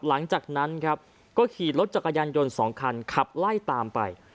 หลังจากนั้นครับก็ขี่รถจักรยานยนต์๒คันขับไล่ตามไป